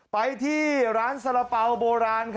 ไปที่ร้านสาระเป๋าโบราณ